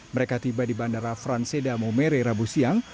mereka tiba di bandara franseda maumere rabu siang